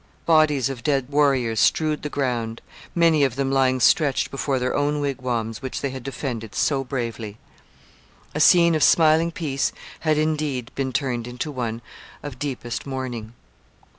Bodies of dead warriors strewed the ground, many of them lying stretched before their own wigwams, which they had defended so bravely. A scene of smiling peace had indeed been turned into one of deepest mourning.